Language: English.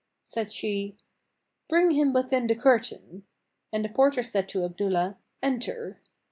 Said she, "Bring him within the curtain;" and the porter said to Abdullah, "Enter."